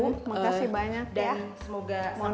terima kasih banyak ya